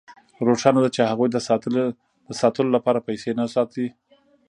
روښانه ده چې هغوی د ساتلو لپاره پیسې نه ساتي